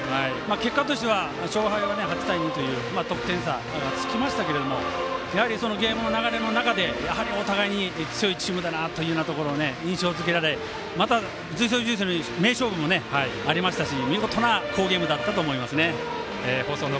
結果としては勝敗は８対２という得点差がつきましたがゲームの流れの中でお互いに強いチームだなというようなところを印象づけられまた随所に名勝負もありましたし見事な好ゲームだったと思います。